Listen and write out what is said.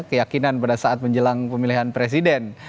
keyakinan pada saat menjelang pemilihan presiden